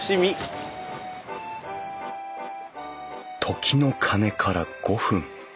時の鐘から５分。